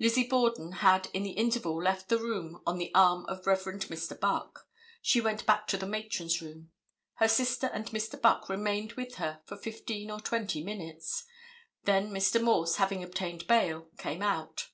Lizzie Borden had in the interval left the room on the arm of Rev. Mr. Buck. She went back to the matron's room. Her sister and Mr. Buck remained with her for fifteen or twenty minutes. Then Mr. Morse, having obtained bail, came out.